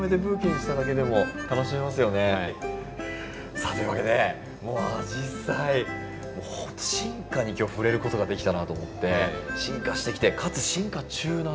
さあというわけでもうアジサイ進化に今日触れる事ができたなと思って進化してきてかつ進化中なんですね。